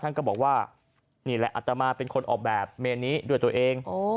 ก็บอกว่านี่แหละอัตมาเป็นคนออกแบบเมนนี้ด้วยตัวเอง